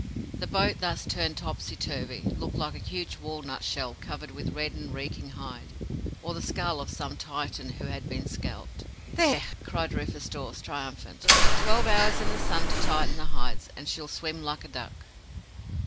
The boat, thus turned topsy turvy, looked like a huge walnut shell covered with red and reeking hide, or the skull of some Titan who had been scalped. "There!" cried Rufus Dawes, triumphant. "Twelve hours in the sun to tighten the hides, and she'll swim like a duck."